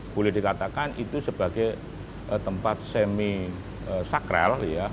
boleh dikatakan itu sebagai tempat semi sakral